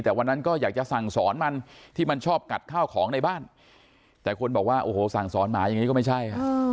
แต่วันนั้นก็อยากจะสั่งสอนมันที่มันชอบกัดข้าวของในบ้านแต่คนบอกว่าโอ้โหสั่งสอนหมาอย่างนี้ก็ไม่ใช่